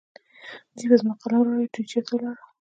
دوی به زما قلم راوړي. دوی چېرې ولاړل؟